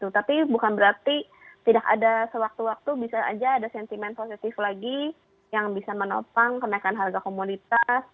tapi bukan berarti tidak ada sewaktu waktu bisa saja ada sentimen positif lagi yang bisa menopang kenaikan harga komoditas